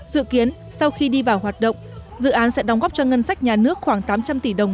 dự kiến sau khi đi vào hoạt động dự án sẽ đóng góp cho ngân sách nhà nước khoảng tám trăm linh tỷ đồng